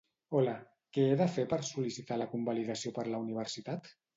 Hola, què he de fer per sol·licitar la convalidació per la universitat?